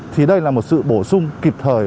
thì đây là một sự bổ sung kịp thời